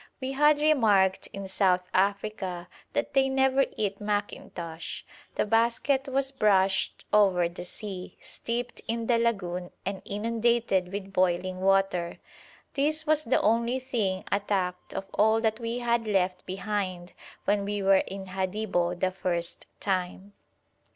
We had remarked in South Africa that they never eat mackintosh. The basket was brushed over the sea, steeped in the lagoon, and inundated with boiling water. This was the only thing attacked of all that we had left behind when we were in Hadibo the first time.